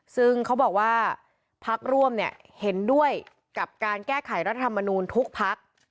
ซึ่งเขาบอกว่าพักร่วมเนี่ยเห็นด้วยกับการแก้ไขรัฐธรรมนูลทุกพัก